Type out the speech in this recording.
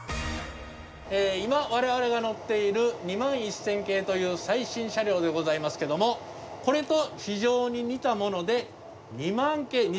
今我々が乗っている２１０００系という最新車両でございますけどもこれと非常に似たもので２００００系